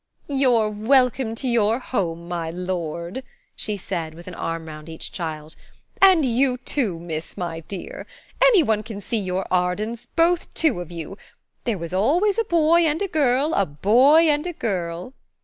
"You're welcome to your home, my lord," she said, with an arm round each child, "and you too, miss, my dear. Any one can see you're Ardens, both two of you. There was always a boy and a girl–a boy and a girl."